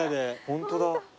ホントだ。